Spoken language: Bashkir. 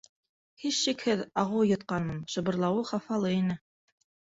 — Һис шикһеҙ, ағыу йотҡанмын, — шыбырлауы хафалы ине.